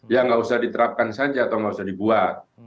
ya tidak usah diterapkan saja atau tidak usah dibuat